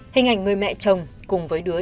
hình ảnh người mẹ chồng cùng với đứa